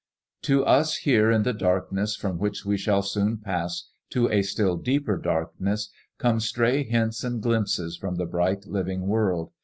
"To us here in the darkness from which we shall soon pass to a still deeper darkness come stray hints and glimpses from the bright living world.